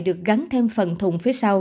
được gắn thêm phần thùng phía sau